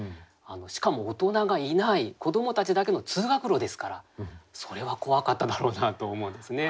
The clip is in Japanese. しかも大人がいない子どもたちだけの通学路ですからそれは怖かっただろうなと思うんですね。